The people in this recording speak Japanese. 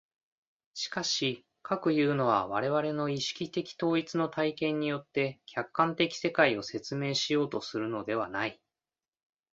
しかし、かくいうのは我々の意識的統一の体験によって客観的世界を説明しようとするのではない。